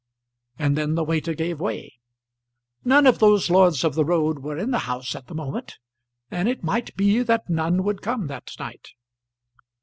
And then the waiter gave way. None of those lords of the road were in the house at the moment, and it might be that none would come that night.